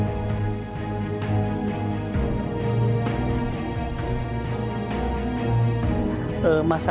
masa air yang dari laut cina selatan masuk selat karimah